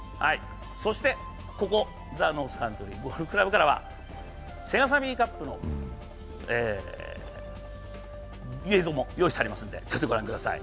ここ、ザ・ノースカントリー・ゴルフクラブからはセガサミーカップの映像も用意してありますので御覧ください。